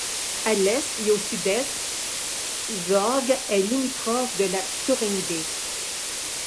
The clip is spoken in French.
A l'est et au sud-est, Zorge est limitrophe de la Thuringe.